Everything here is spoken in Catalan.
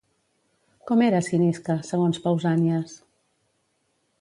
Com era Cinisca, segons Pausànies?